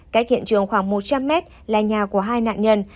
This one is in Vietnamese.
cách hiện trường khoảng một trăm linh mét là nhà của hai nạn nhân